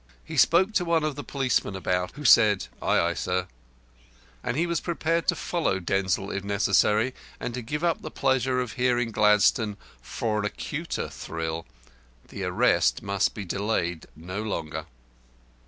He spoke to one of the policemen about, who said, "Ay, ay, sir," and he was prepared to follow Denzil, if necessary, and to give up the pleasure of hearing Gladstone for an acuter thrill. The arrest must be delayed no longer.